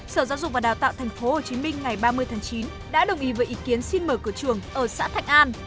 sở giáo dục và đào tạo thành phố hồ chí minh ngày ba mươi tháng chín đã đồng ý với ý kiến xin mở cửa trường ở xã thạnh an